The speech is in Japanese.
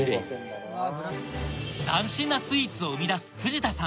斬新なスイーツを生み出す藤田さん